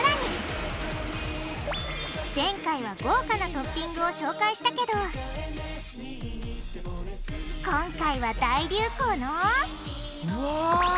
前回は豪華なトッピングを紹介したけど今回は大流行のうわ！